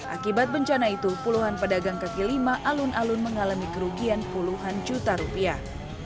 akibat bencana itu puluhan pedagang kaki lima alun alun mengalami kerugian puluhan juta rupiah